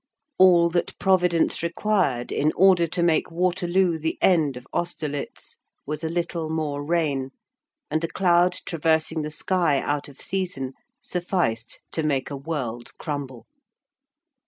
All that Providence required in order to make Waterloo the end of Austerlitz was a little more rain, and a cloud traversing the sky out of season sufficed to make a world crumble.